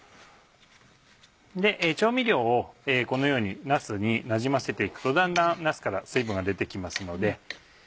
調味料をこのようになすになじませて行くとだんだんなすから水分が出て来ますので。